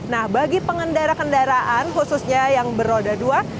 nah bagi pengendara kendaraan khususnya yang beroda dua